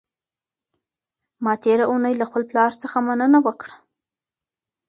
ما تېره اونۍ له خپل پلار څخه مننه وکړه.